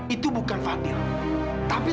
itu bukan suami kamu